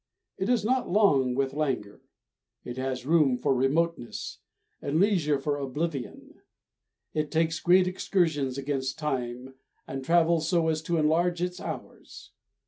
It is not long with languor. It has room for remoteness, and leisure for oblivion. It takes great excursions against time, and travels so as to enlarge its hours.